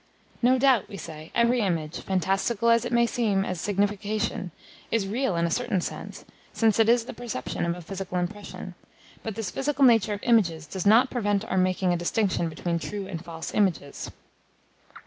No doubt, we say, every image, fantastical as it may seem as signification, is real in a certain sense, since it is the perception of a physical impression; but this physical nature of images does not prevent our making a distinction between true and false images.